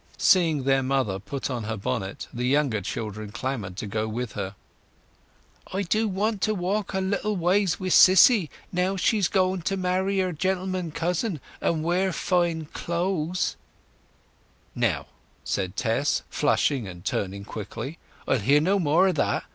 Seeing their mother put on her bonnet, the younger children clamoured to go with her. "I do want to walk a little ways wi' Sissy, now she's going to marry our gentleman cousin, and wear fine cloze!" "Now," said Tess, flushing and turning quickly, "I'll hear no more o' that!